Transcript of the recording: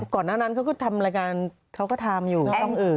ก่อนหน้านั้นเขาก็ทำรายการเขาก็ทำอยู่ห้องอื่น